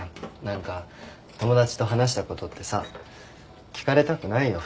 何か友達と話したことってさ聞かれたくないよ